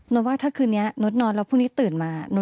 ว่าถ้าคืนนี้นดนอนแล้วพรุ่งนี้ตื่นมา